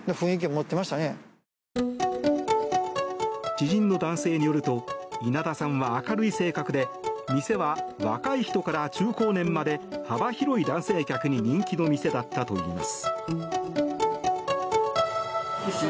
知人の男性によると稲田さんは、明るい性格で店は若い人から中高年まで幅広い男性客に人気の店だったといいます。